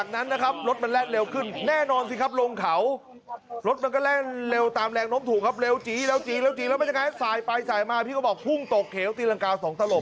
นักวิ่งเล่าบอกว่า